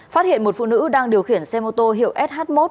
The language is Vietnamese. phát hiện một phụ nữ đang điều khiển xe mô tô hiệu sh một